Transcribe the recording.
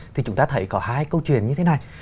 thì chúng ta thấy có hai câu chuyện như thế này